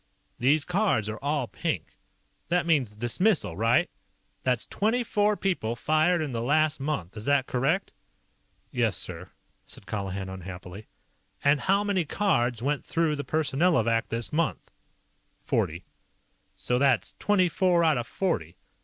These cards are all pink. That means dismissal, right? That's twenty four people fired in the last month, is that correct?" "Yes, sir," said Colihan unhappily. "And how many cards went through the Personnelovac this month?" "Forty." "So that's twenty four out of forty.